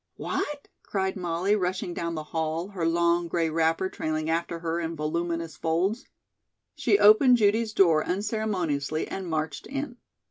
"What?" cried Molly, rushing down the hall, her long, gray wrapper trailing after her in voluminous folds. She opened Judy's door unceremoniously and marched in.